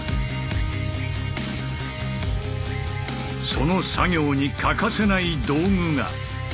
その作業に欠かせない道具が。